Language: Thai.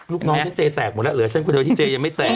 ลูกน้องฉันเจแตกหมดแล้วเหลือฉันคนเดียวที่เจยังไม่แตก